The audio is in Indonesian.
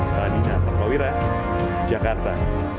saladinah pak lawira jakarta